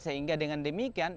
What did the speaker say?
sehingga dengan demikian